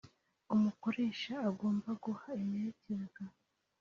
Umukoresha agomba guha impererekeza